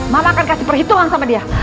mama akan kasih perhitungan sama dia